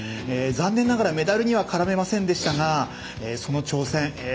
残念ながら、メダルには絡めませんでしたがその挑戦